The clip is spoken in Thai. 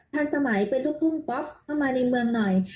ทันสมัยเป็นลูกทุ่งป๊อปเข้ามาในเมืองหน่อย